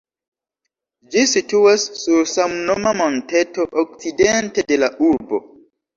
Ĝi situas sur samnoma monteto, okcidente de la urbo.